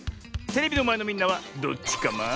テレビのまえのみんなはどっちカマ？